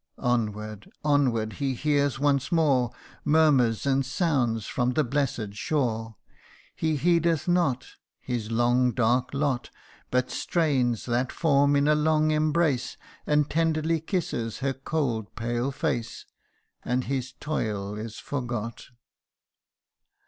Onward onward he hears once more Murmurs and sounds from the blessed shore. He heedeth not His long dark lot, But strains that form in a long embrace, And tenderly kisses her cold pale face, And his toil is forgot.